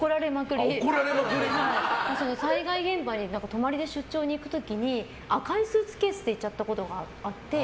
災害現場に泊まりで出張に行く時に赤いスーツケースで行っちゃったことがあって。